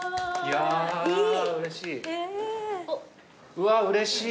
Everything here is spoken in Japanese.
うわうれしい。